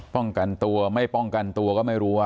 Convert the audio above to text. ป้องกันตัวไม่ป้องกันตัวก็ไม่รู้